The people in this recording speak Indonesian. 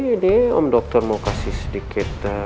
ini om dokter mau kasih sedikit